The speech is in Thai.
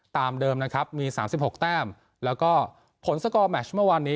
ตามเดิมนะครับมีสามสิบหกแป้มแล้วก็ผลแมจ์เมื่อวันนี้